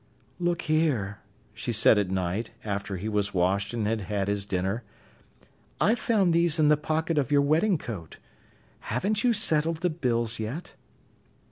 "Look here," she said at night, after he was washed and had had his dinner. "I found these in the pocket of your wedding coat. Haven't you settled the bills yet?"